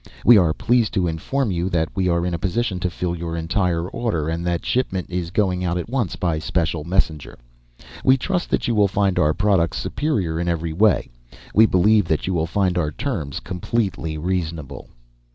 We are pleased to inform you that we are in a position to fill your entire order and that shipment is going out at once by special messenger. We trust that you will find our products superior in every way. We believe that you will find our terms completely reasonable."